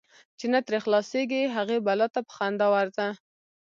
چی نه ترې خلاصیږې، هغی بلا ته په خندا ورځه .